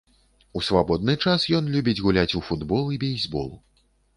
У свабодны час ён любіць гуляць у футбол і бейсбол.